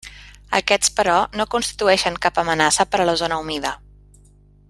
Aquests però no constitueixen cap amenaça per a la zona humida.